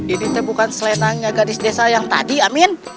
ini bukan selenangnya gadis desa yang tadi amin